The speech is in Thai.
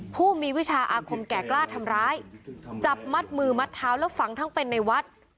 ผู้มีวิชาอาคมแก่กล้าทำร้ายจับมัดมือมัดเท้าแล้วฝังทั้งเป็นในวัด